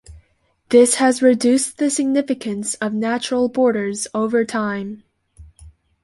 This has reduced the significance of natural borders over time.